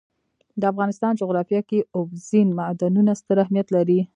د افغانستان جغرافیه کې اوبزین معدنونه ستر اهمیت لري.